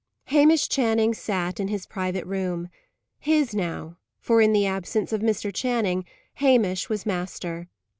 Hamish Channing sat in his private room; his now; for, in the absence of Mr. Channing, Hamish was master.